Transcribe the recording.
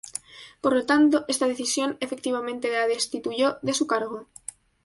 Por lo tanto, esta decisión efectivamente la destituyó de su cargo.